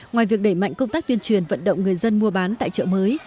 ngoài việc đẩy mạnh công tác tuyên truyền vận động người dân mua bán tại chợ mới